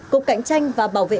cục cảnh tranh và bảo vệ